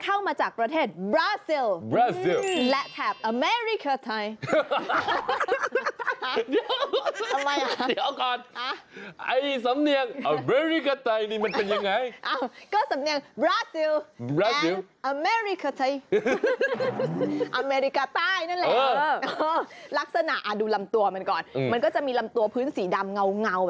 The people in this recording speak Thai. กับเมริกาเท้า